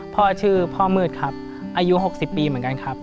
พ่อชื่อพ่อมืดครับอายุ๖๐ปีเหมือนกันครับ